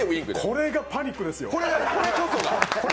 これがパニックです。